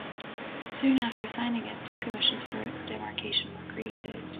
Soon after signing it, two commissions for demarcation were created.